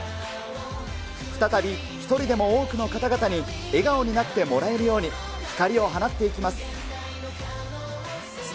再び、１人でも多くの方々に笑顔になってもらえるように光を放っていきます。